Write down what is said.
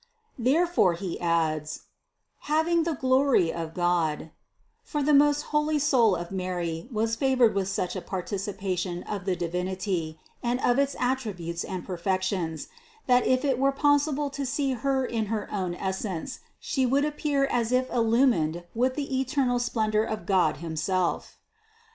268. Therefore he adds: "Having the glory of God," for the most holy soul of Mary was favored with such a participation of the Divinity and of its attributes and per fections, that if it were possible to see Her in her own essence, She would appear as if illumined with the eternal splendor of God himself.